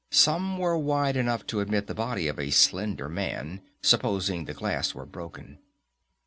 Some were wide enough to admit the body of a slender man, supposing the glass were broken.